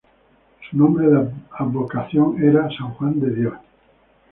Su nombre de advocación era "San Juan de Dios".